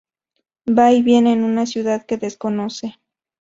Va y viene en una ciudad que desconoce.